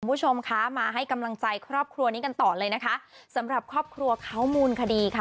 คุณผู้ชมคะมาให้กำลังใจครอบครัวนี้กันต่อเลยนะคะสำหรับครอบครัวเขามูลคดีค่ะ